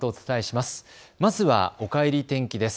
まずは、おかえり天気です。